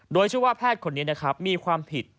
โดยชื่อว่าแพทย์คนนี้นะครับมีความผิด